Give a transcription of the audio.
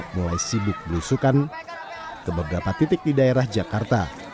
mulai sibuk berusukan ke beberapa titik di daerah jakarta